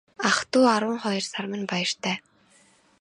Ах дүү арван хоёр сар минь баяртай.